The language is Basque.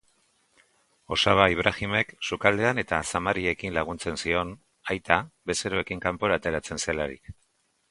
Osaba Ibrahimek sukaldean eta zamariekin laguntzen zion, aita bezeroekin kanpora ateratzen zelarik.